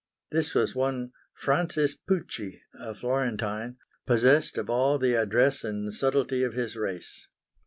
This was one Francis Pucci, a Florentine, possessed of all the address and subtlety of his race.